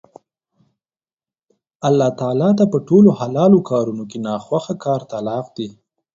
الله تعالی ته په ټولو حلالو کارونو کې نا خوښه کار طلاق دی